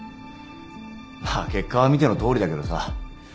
まあ結果は見てのとおりだけどさ。